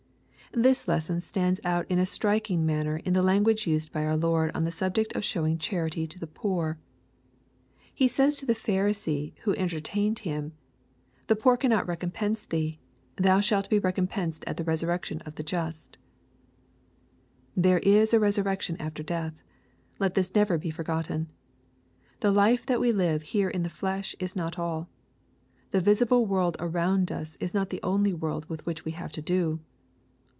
This lesson stands out in a striking manner in the language used by our Lord on the subject of showing charity to the poor. He says to the Pharisee who enter tained Him, " The poor cannot recompense thee ;— thou shalt be recompensed at the resurrection of the just/' There is a resurrection, after death. Let this never be forgotten. The life that we live here in the flesh is not all. The visible world around us is not the only world with which we have to do.